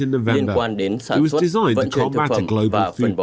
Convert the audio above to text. liên quan đến sản xuất vận chuyển thực phẩm và phân bón